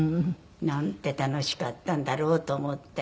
なんて楽しかったんだろうと思って。